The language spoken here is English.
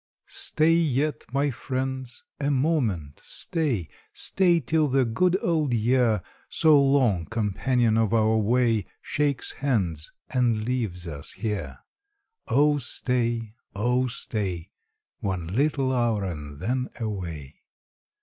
Stay yet, my friends, a moment stay— Stay till the good old year, So long companion of our way, Shakes hands and leaves us here. Oh stay, oh stay, One little hour, and then away.